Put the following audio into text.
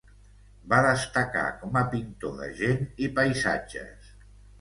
Va destacar com a pintor de gent i paisatges.